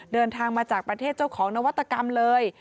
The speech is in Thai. เดินทางมาจากประเทศเจ้าของนวัตกรรมเลย